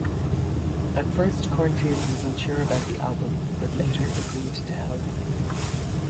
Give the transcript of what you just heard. At first Cornfield was unsure about the album but later agreed to help.